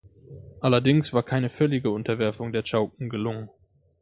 Allerdings war keine völlige Unterwerfung der Chauken gelungen.